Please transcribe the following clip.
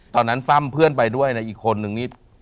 ตอนนั้นฟังเพื่อนไปด้วยนะอีกคนหนึ่งนี่